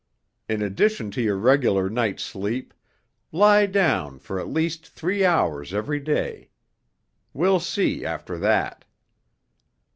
In addition to your regular night's sleep, lie down for at least three hours every day. We'll see after that."